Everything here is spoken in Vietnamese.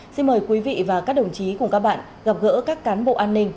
xin mời quý vị và các đồng chí cùng các bạn gặp gỡ các cán bộ an ninh